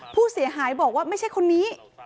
ผู้เสียหายบอกว่าไม่ใช่คนนี้